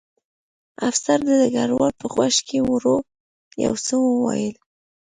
افسر د ډګروال په غوږ کې ورو یو څه وویل